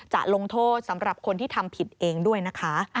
จะลงโทษสำหรับคนที่ทำผิดเองด้วยนะคะ